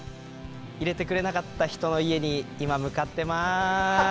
入れてくれなかった人の家に今向かってます。